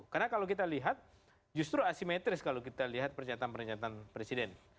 karena kalau kita lihat justru asimetris kalau kita lihat pernyataan pernyataan presiden